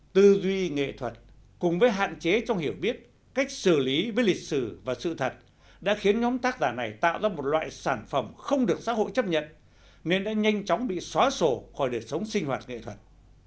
tư duy nghệ thuật cùng với hạn chế trong hiểu biết cách xử lý với lịch sử và sự thật đã khiến nhóm tác giả này tạo ra một loại sản phẩm không được xã hội chấp nhận nên đã nhanh chóng bị xóa sổ khỏi đời sống sinh hoạt nghệ thuật